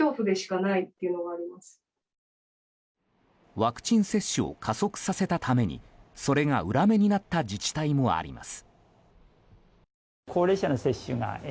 ワクチン接種を加速させたためにそれが裏目になった自治体もあります。